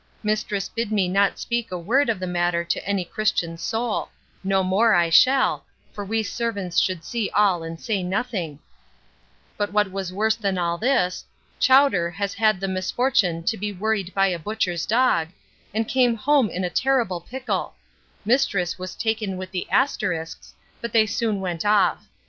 Mistress bid me not speak a word of the matter to any Christian soul no more I shall; for, we servints should see all and say nothing But what was worse than all this, Chowder has had the misfortune to be worried by a butcher's dog, and came home in a terrible pickle Mistress was taken with the asterisks, but they soon went off.